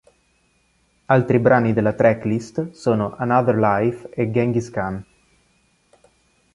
Altri brani della tracklist sono "Another Life" e "Genghis Khan".